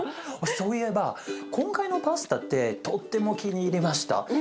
そういえば今回のパスタってとっても気に入りました。